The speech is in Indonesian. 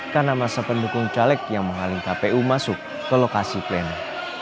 karena masa pendukung caleg yang menghalangi kpu masuk ke lokasi pleno